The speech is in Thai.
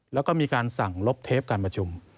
แล้วก็มีการสั่งลบเทปการประชุม